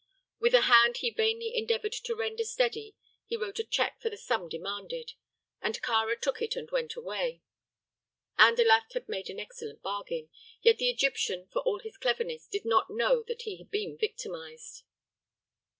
With a hand he vainly endeavored to render steady he wrote a check for the sum demanded, and Kāra took it and went away. Andalaft had made an excellent bargain; yet the Egyptian, for all his cleverness, did not know that he had been victimized.